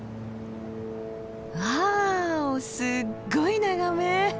わあすっごい眺め。